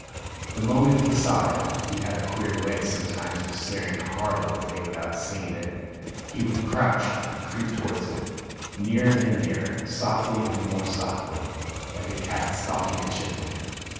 The moment he saw it (he had a queer way sometimes of staring hard at a thing without seeing it) he would crouch and creep towards it, nearer and nearer, softly and more softly, like a cat stalking a chipmunk.